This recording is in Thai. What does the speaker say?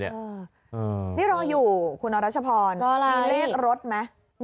นี่รออยู่คุณรัชพรมีเลขรถไหม